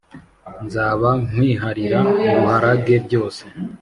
Nzaba nkwiharira nguharage byose